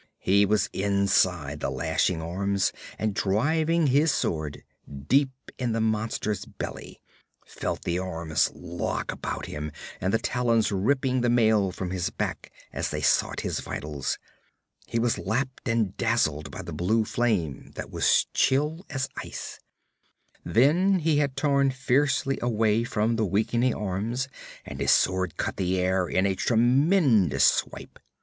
He was inside the lashing arms and driving his sword deep in the monster's belly felt the arms lock about him and the talons ripping the mail from his back as they sought his vitals he was lapped and dazzled by blue flame that was chill as ice then he had torn fiercely away from the weakening arms and his sword cut the air in a tremendous swipe.